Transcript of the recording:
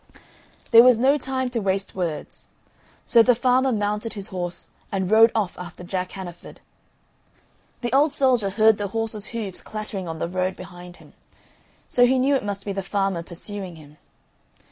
There was no time to waste words; so the farmer mounted his horse and rode off after Jack Hannaford. The old soldier heard the horse's hoofs clattering on the road behind him, so he knew it must be the farmer pursuing him.